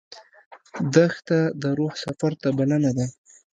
دښته د روح سفر ته بلنه ده.